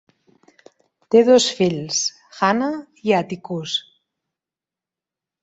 Té dos fills, Hannah i Atticus.